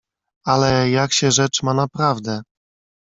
"Ale, jak się rzecz ma naprawdę?"